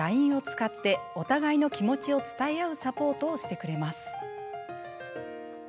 ＬＩＮＥを使ってお互いの気持ちを伝え合うサポートをしてくれます。